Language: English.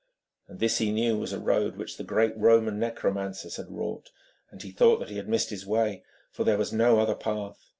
This he knew was a road which the great Roman necromancers had wrought, and he thought he had missed his way, for there was no other path.